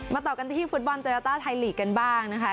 ต่อกันที่ฟุตบอลโยต้าไทยลีกกันบ้างนะคะ